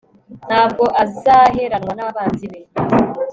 nta bwo azaheranwa n'abanzi be